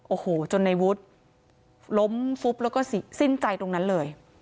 โอ้โหจนในวุฒิล้มฟุบแล้วก็สิ้นใจตรงนั้นเลย